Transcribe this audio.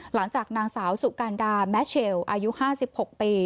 หลังจากนางสาวสุการดาแมชเชลอายุ๕๖ปี